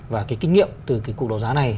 và cái kinh nghiệm từ cái cuộc đấu giá này